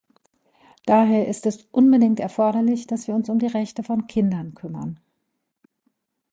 Daher ist es unbedingt erforderlich, dass wir uns um die Rechte von Kindern kümmern.